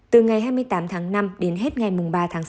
từ ngày hai mươi tám tháng năm đến hết ngày ba tháng năm